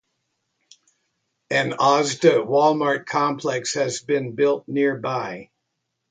An Asda Walmart complex has been built nearby.